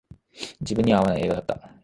自分には合わない映画だった